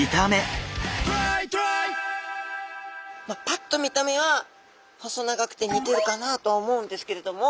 ぱっと見た目は細長くて似てるかなとは思うんですけれども。